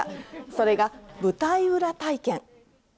それが舞台裏体験。